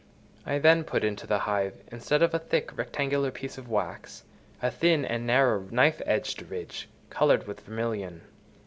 I then put into the hive, instead of a thick, rectangular piece of wax, a thin and narrow, knife edged ridge, coloured with vermilion.